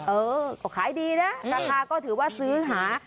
เออก็ขายดีนะราคาก็ถือว่าซื้อหา